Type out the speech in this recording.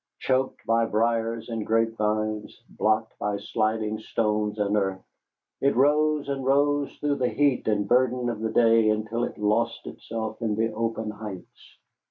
Choked by briers and grapevines, blocked by sliding stones and earth, it rose and rose through the heat and burden of the day until it lost itself in the open heights.